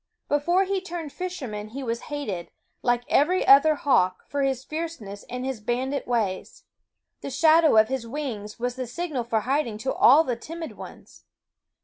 Before he turned fisherman he was hated, like every other hawk, for his fierceness and his bandit ways. The shadow of his wings was the signal for hiding to all the timid ones.